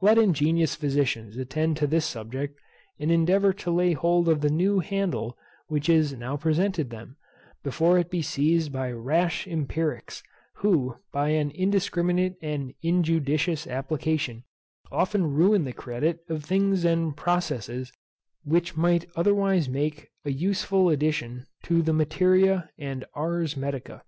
Let ingenious physicians attend to this subject, and endeavour to lay hold of the new handle which is now presented them, before it be seized by rash empiricks; who, by an indiscriminate and injudicious application, often ruin the credit of things and processes which might otherwise make an useful addition to the materia and ars medica.